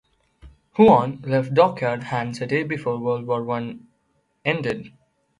"Huon" left dockyard hands a day before World War One ended.